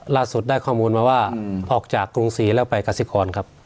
ได้ข้อมูลมาว่าออกจากกรุงศรีแล้วไปกสิกรครับ